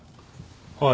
はい。